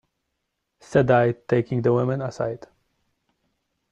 said I, taking the woman aside.